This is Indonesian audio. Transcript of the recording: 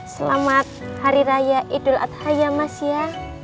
selamat hari raya idul adhaya mas ya